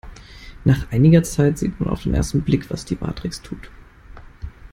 Nach einiger Zeit sieht man auf den ersten Blick, was die Matrix tut.